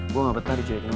gue gak betah dicuekin lo